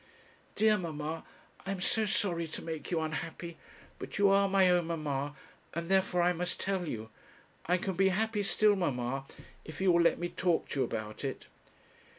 'Dear mamma, I am so sorry to make you unhappy, but you are my own mamma, and therefore I must tell you. I can be happy still, mamma, if you will let me talk to you about it.'